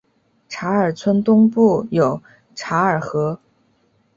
查尔村东部有嚓尔河。